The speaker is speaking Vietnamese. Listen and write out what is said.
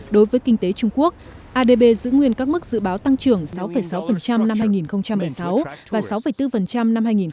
đối với kinh tế trung quốc adb giữ nguyên các mức dự báo tăng trưởng sáu sáu năm hai nghìn một mươi sáu và sáu bốn năm hai nghìn một mươi tám